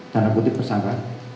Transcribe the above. tanah putih tersangka